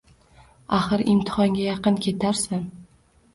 Axir imtihonga yaqin ketarsan